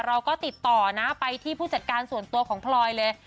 เราก็ติดต่อนะไปที่ผู้จัดการส่วนตัวของพลอยเลย